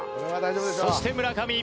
そして村上。